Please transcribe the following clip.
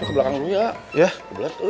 kebelakang dulu ya ya